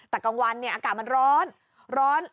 แต่กลางวันอากาศมันร้อน